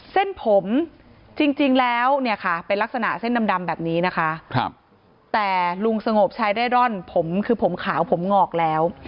เส้นผมจริงแล้วเนี่ยค่ะเป็นลักษณะเส้นดำแบบนี้นะคะแต่ลุงสงบชายเร่ร่อนผมคือผมขาวผมงอกแล้ว